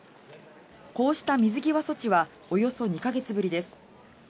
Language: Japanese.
こうした水際措置はおよそ２か月ぶりです。